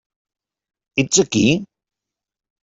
Ets aquí?